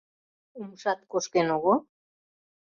— Умшат кошкен огыл?